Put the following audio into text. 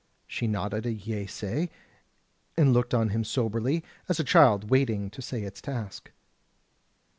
She nodded a yeasay, and looked on him soberly, as a child waiting to say its task.